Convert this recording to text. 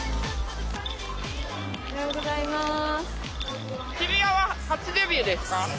おはようございます。